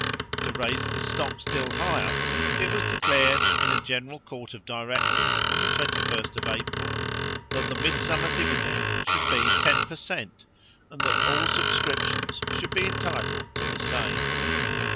To raise the stock still higher, it was declared, in a general court of directors, on the 21st of April, that the midsummer dividend should be ten per cent, and that all subscriptions should be entitled to the same.